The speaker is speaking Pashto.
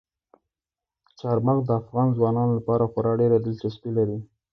چار مغز د افغان ځوانانو لپاره خورا ډېره دلچسپي لري.